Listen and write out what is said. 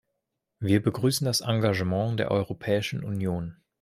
Wir begrüßen das Engagement der Europäischen Union.